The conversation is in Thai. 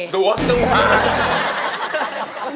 ตัวเพลงหวาน